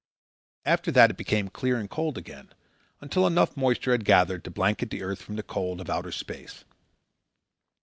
After that it became clear and cold again, until enough moisture had gathered to blanket the earth from the cold of outer space.